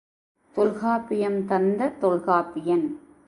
தொல்காப்பியம் தந்த தொல்காப்பியன்